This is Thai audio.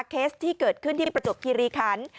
เคสที่เกิดขึ้นที่ประจวบเครียรีขันฯ